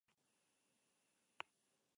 Debuta larunbatean egin dezake.